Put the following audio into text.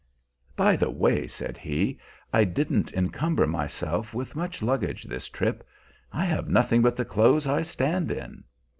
"By the way," said he, "I didn't encumber myself with much luggage this trip. I have nothing but the clothes I stand in."